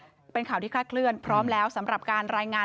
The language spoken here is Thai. เป็นข่าวที่คลาดเคลื่อนพร้อมแล้วสำหรับการรายงาน